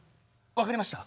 分かりました。